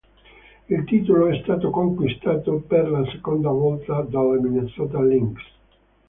Il titolo è stato conquistato per la seconda volta dalle Minnesota Lynx.